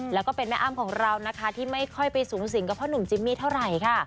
แล้วก็เป็นแม่อ้ำของเรานะคะที่ไม่ค่อยไปสูงสิงกับพ่อหนุ่มจิมมี่เท่าไหร่ค่ะ